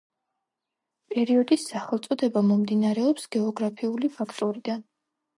პერიოდის სახელწოდება მომდინარეობს გეოგრაფიული ფაქტორიდან.